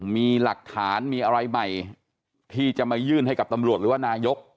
มีหลักฐานมีอะไรใหม่ที่จะมายื่นให้กับนายก